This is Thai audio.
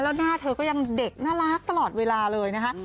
แล้วหน้าเธอก็ยังเด็กน่ารักตลอดเวลาเลยนะคะ